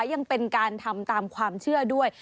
ยังเป็นการทำตามความเชื่อด้วย